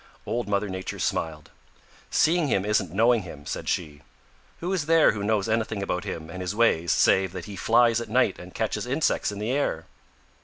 Old Mother Nature smiled. "Seeing him isn't knowing him," said she. "Who is there who knows anything about him and his ways save that he flies at night and catches insects in the air?"